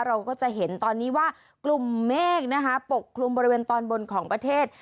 เราก็จะเห็นตอนนี้ว่ากลุ่มเมฆนะคะปกคลุมบริเวณตอนบนของประเทศ